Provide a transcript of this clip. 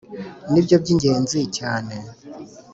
nibyo byingenzi cyane